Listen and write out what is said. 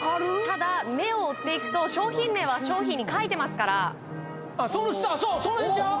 ただ目を追っていくと商品名は商品に書いてますからその下そうその辺ちゃう？